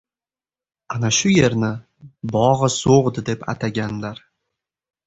Ana shu yerni Bogʻisoʻgʻd deb ataganlar.